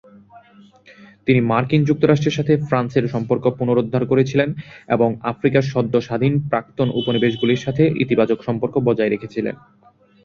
তিনি মার্কিন যুক্তরাষ্ট্রের সাথে ফ্রান্সের সম্পর্ক পুনরুদ্ধার করেছিলেন এবং আফ্রিকার সদ্য স্বাধীন প্রাক্তন উপনিবেশগুলির সাথে ইতিবাচক সম্পর্ক বজায় রেখেছিলেন।